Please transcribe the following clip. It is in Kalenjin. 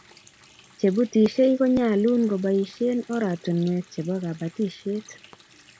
chebutishei konyalun kobaishen oratunuek chebo kabatishiet